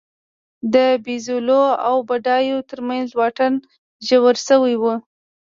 د بېوزلو او بډایو ترمنځ واټن ژور شوی و